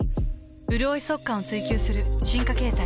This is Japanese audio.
うるおい速乾を追求する進化形態。